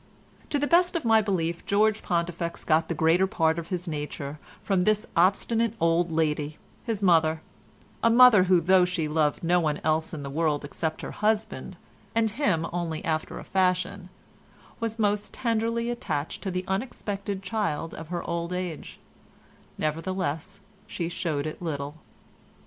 To the best of my belief George Pontifex got the greater part of his nature from this obstinate old lady, his mother—a mother who though she loved no one else in the world except her husband (and him only after a fashion) was most tenderly attached to the unexpected child of her old age; nevertheless she showed it little.